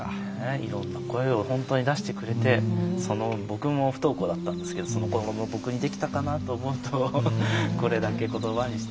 いろんな声を本当に出してくれて僕も不登校だったんですけどそのころの僕にできたかなと思うとこれだけ言葉にして力があるなと思います。